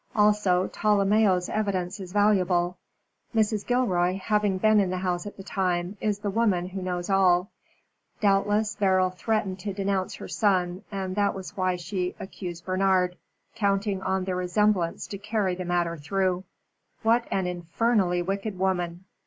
Also Tolomeo's evidence is valuable. Mrs. Gilroy, having been in the house at the time, is the woman who knows all. Doubtless Beryl threatened to denounce her son, and that was why she accused Bernard, counting on the resemblance to carry the matter through." "What an infernally wicked woman!"